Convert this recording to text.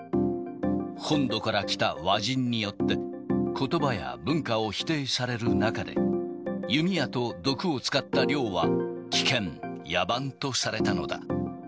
本土から来た和人によって、ことばや文化を否定される中で、弓矢と毒を使った猟は、危険、野蛮とされたのだ。